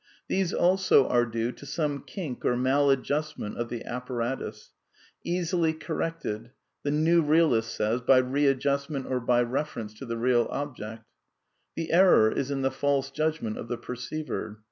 These also are due to some kink or maladjust ment of the apparatus — easily corrected, the new realist says, by readjustment or by reference to the real object. The error is in the false judgment of the perceiver.